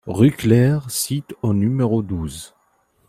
Rue Clair Site au numéro douze